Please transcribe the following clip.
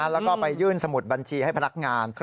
แล้วก็ไปยื่นสมุดบัญชีให้พนักงาน